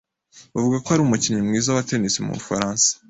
Bavuga ko ari umukinnyi mwiza wa tennis mu Bufaransa.